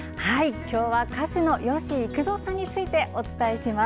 今日は歌手の吉幾三さんについてお伝えします。